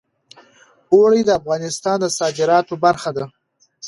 اوړي د افغانستان د صادراتو برخه ده.